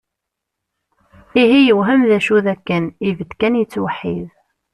Ihi yewhem d acu d akken, ibedd kan yettweḥḥid.